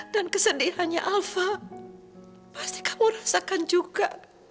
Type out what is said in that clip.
dan kesedihannya alva pasti kamu rasakan juga